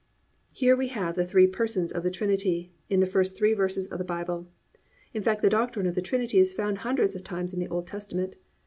"+ Here we have the three persons of the Trinity in the first three verses of the Bible. In fact the doctrine of the Trinity is found hundreds of times in the Old Testament.